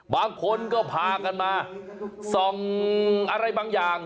บางคนก็พากันมาส่องอะไรบางอย่าง